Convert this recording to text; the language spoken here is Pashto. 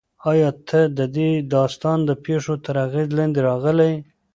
ایا ته د دې داستان د پېښو تر اغېز لاندې راغلی یې؟